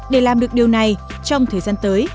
để làm được điều này trong thời gian tới